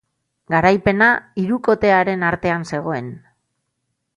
Garaipena hirukotearen artean zegoen.